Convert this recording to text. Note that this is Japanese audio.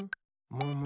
むむ？